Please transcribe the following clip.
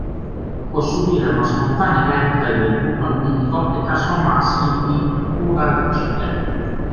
Può subire una spontanea perdita del gruppo amminico e trasformarsi in uracile.